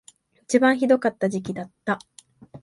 一番ひどかった時期だった